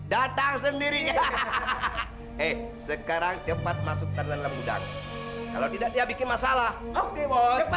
datang sendiri hahaha sekarang cepat masukkan lembutan kalau tidak dia bikin masalah oke bos